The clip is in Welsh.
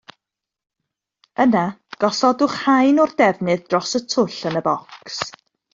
Yna gosodwch haen o'r defnydd dros y twll yn y bocs